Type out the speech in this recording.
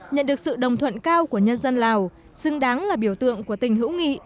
nhận được sự đồng thuận cao của nhân dân lào xứng đáng là biểu tượng của tình hữu nghị